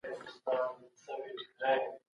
حکومت باید په روغتیا لګښت وکړي.